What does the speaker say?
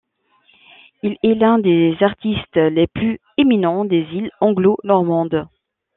Il est l'un des artistes les plus éminents des îles Anglo-Normandes.